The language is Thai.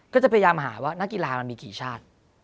ก็จะพยายามหาว่านักกีฬามันมีกี่ชาติ